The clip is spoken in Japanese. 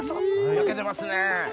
焼けてますね！